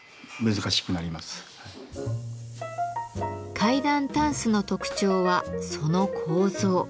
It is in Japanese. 階段たんすの特徴はその構造。